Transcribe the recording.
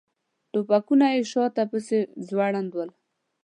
ټوپکونه یې شاته پسې ځوړند ول.